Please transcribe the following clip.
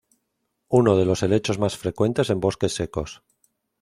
Uno de los helechos más frecuentes en bosques secos.